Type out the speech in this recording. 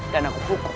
dan aku pukul